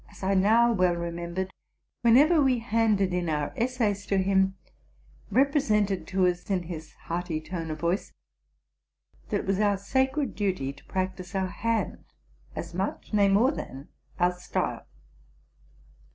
287 I now well remembered, whenever we handed in our essays to him, represented to us, in his hearty tone of voice, that it was our sacred duty to practise our hand as much, nay, more, than our style.